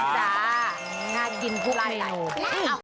จ๊ะน่ากินทุกในโน้ม